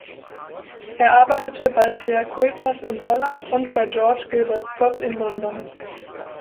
Er arbeitete bei Pierre Cuypers in Holland und bei George Gilbert Scott in London.